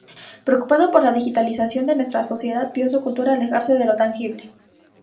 Preocupado por la digitalización de nuestra sociedad, vio su cultura alejarse de lo tangible.